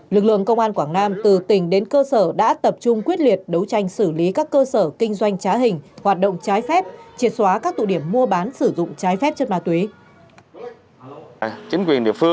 lực lượng công an quảng nam từ tỉnh đến cơ sở đã tập trung quyết liệt đấu tranh xử lý các cơ sở kinh doanh trá hình hoạt động trái phép triệt xóa các tụ điểm mua bán sử dụng trái phép chất ma túy